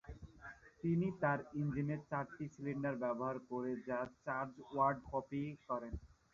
তিনি তার ইঞ্জিনে চারটি সিলিন্ডার ব্যবহার করেন, যা চার্চওয়ার্ড কপি করেন।